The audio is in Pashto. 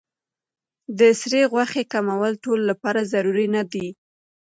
د سرې غوښې کمول ټولو لپاره ضروري نه دي.